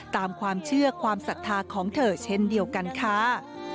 ตามความเชื่อความศรัทธาของเธอเช่นเดียวกันค่ะ